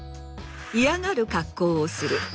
嫌がる格好をする。